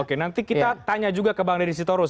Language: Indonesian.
oke nanti kita tanya juga ke bang deddy sitorus